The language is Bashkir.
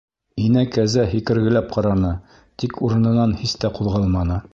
Инә кәзә һикергеләп ҡараны, тик урынынан һис тә ҡуҙғалманы.